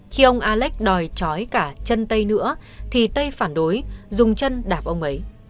khi ông alex đòi chói cả chân tây nữa thì tây phản đối dùng chân đạp ông ấy